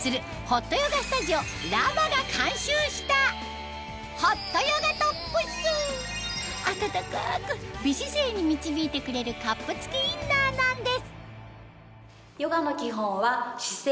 ホットヨガトップス暖かく美姿勢に導いてくれるカップ付きインナーなんです